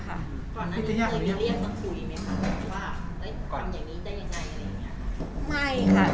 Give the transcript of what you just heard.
ก่อนนั้นเธอเคยเรียกมาคุยไหมค่ะว่าคำอย่างนี้ใจใจอะไรอย่างเงี้ย